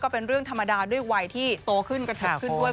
เป็นเรื่องธรรมดาด้วยวัยที่โตขึ้นกระทบขึ้นด้วย